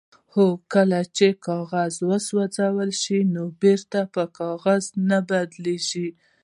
هو کله چې کاغذ وسوځي نو بیرته په کاغذ نه بدلیږي